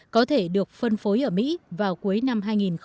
có thể được phân phối ở mỹ vào cuối năm hai nghìn hai mươi